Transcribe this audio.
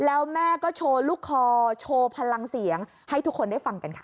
แล้วแม่ก็โชว์ลูกคอโชว์พลังเสียงให้ทุกคนได้ฟังกันค่ะ